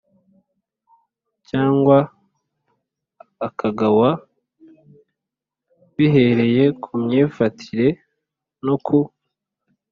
cyangwa akagawa bihereye ku myifarire no ku